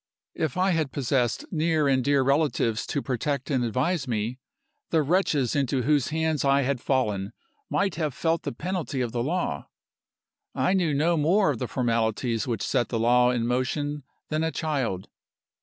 "If I had possessed near and dear relatives to protect and advise me, the wretches into whose hands I had fallen might have felt the penalty of the law. I knew no more of the formalities which set the law in motion than a child.